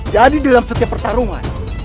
jadi dalam setiap pertarungan